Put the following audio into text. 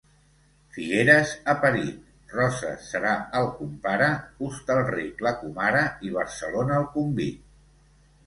Figueres ha parit, Roses serà el compare, Hostalric la comare i Barcelona el convit.